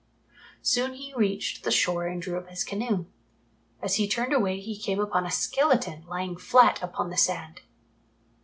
Soon he reached the shore and drew up his canoe. As he turned away he came upon a skeleton lying flat upon the sand.